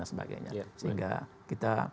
dan sebagainya sehingga kita